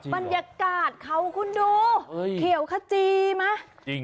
บรรยากาศเขาคุณดูเขียวขจีไหม